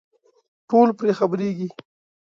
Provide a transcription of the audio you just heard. ټول پرې خبرېږي.